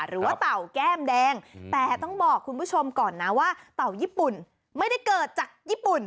เต่าแก้มแดงแต่ต้องบอกคุณผู้ชมก่อนนะว่าเต่าญี่ปุ่นไม่ได้เกิดจากญี่ปุ่น